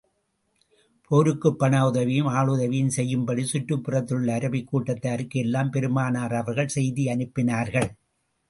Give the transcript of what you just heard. போருக்குப் பண உதவியும், ஆள் உதவியும் செய்யும்படி சுற்றுப்புறத்திலுள்ள அரபிக் கூட்டத்தாருக்கு எல்லாம் பெருமானார் அவர்கள் செய்தி அனுப்பினார்கள்.